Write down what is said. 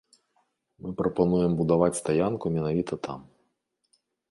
Мы прапануем будаваць стаянку менавіта там.